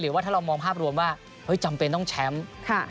ว่าถ้าเรามองภาพรวมว่าจำเป็นต้องแชมป์